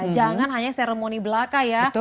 jangan hanya seremoni belaka ya